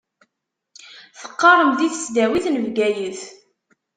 Teqqaṛem di tesdawit n Bgayet.